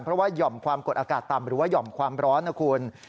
เพราะว่าหย่อมความกดอากาศต่ำหรือว่าห่อมความร้อนนะคุณ